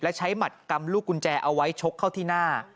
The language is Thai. และใช้หมัดกำลูกกุญแจเอาไว้ชกเข้าที่หน้า